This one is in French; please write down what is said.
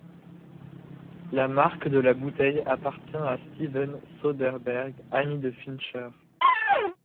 La marque de la bouteille appartient à Steven Soderbergh, ami de Fincher.